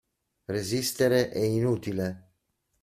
Resistere è inutile.